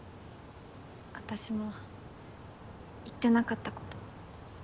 私も言ってなかったこと。